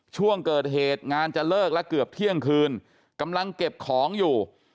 ช่วงเกิดเหตุงานจะเลิกแล้วเกือบเที่ยงคืนกำลังเก็บของอยู่